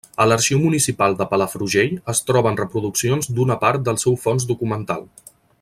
A l'Arxiu Municipal de Palafrugell es troben reproduccions d'una part del seu fons documental.